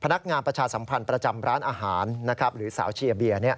นักงานประชาสัมพันธ์ประจำร้านอาหารหรือสาวเชียร์เบียร์